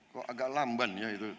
kok agak lamban ya itu